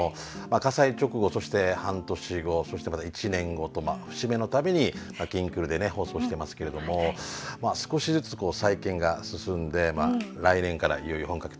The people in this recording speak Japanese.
火災直後そして半年後そして１年後と節目の度に「きんくる」で放送してますけれども少しずつ再建が進んで来年からいよいよ本格的にということで。